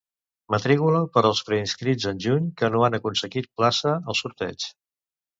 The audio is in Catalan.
Matrícula per als preinscrits en juny que no han aconseguit plaça al sorteig.